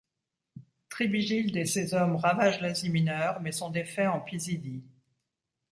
Tribigild et ses hommes ravagent l'Asie mineure mais sont défaits en Pisidie.